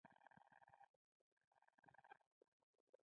سږ یې تاوده خالونه ووهل.